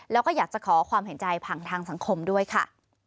แล้วก็อยากจะขอความเห็นใจผ่านทางสังคมด้วยค่ะ